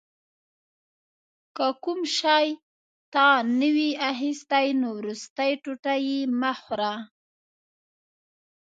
که کوم شی تا نه وي اخیستی نو وروستی ټوټه یې مه خوره.